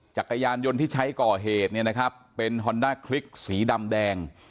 จักรยานยนต์ที่ใช้ก่อเหตุเนี่ยนะครับเป็นฮอนด้าคลิกสีดำแดง